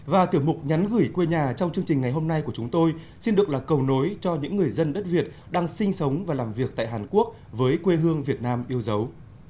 và tiểu mục nhắn gửi quê nhà trong chương trình ngày hôm nay của chúng tôi xin được là cầu nối cho những người dân đất việt đang sinh sống và làm việc tại hàn quốc với quê hương việt nam yêu dấu